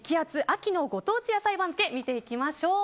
秋のご当地野菜番付見ていきましょう。